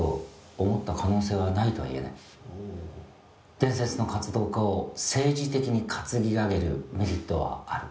「伝説の活動家を政治的に担ぎ上げるメリットはある」